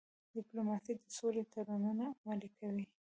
ډيپلوماسي د سولې تړونونه عملي کوي.